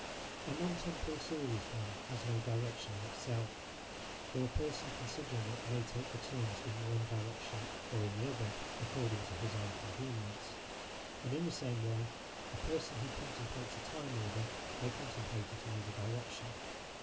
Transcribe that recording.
A non temporal series, then, has no direction in itself, though a person considering it may take the terms in one direction or in the other, according to his own convenience. And in the same way a person who contemplates a time order may contemplate it in either direction.